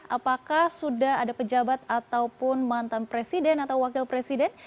apakah sudah ada pejabat ataupun mantan presiden atau wakil presiden